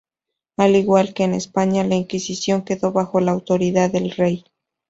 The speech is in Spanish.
Al igual que en España, la Inquisición quedó bajo la autoridad del rey.